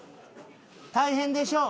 大変でしょ？